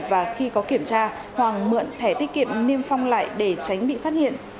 và khi có kiểm tra hoàng mượn thẻ tiết kiệm niêm phong lại để tránh bị phát hiện